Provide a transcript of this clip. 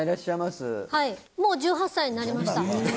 もう１８歳になりました。